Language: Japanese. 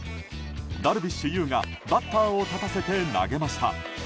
ダルビッシュ有がバッターを立たせて投げました。